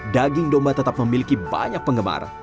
daging domba tetap memiliki banyak penggemar